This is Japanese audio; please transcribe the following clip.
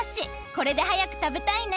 これではやくたべたいね！